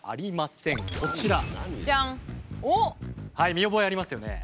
見覚えありますよね。